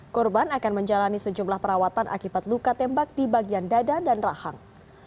korban akan menjalani sejumlah perawatan akibat luka tembak di bagian dada dan rahang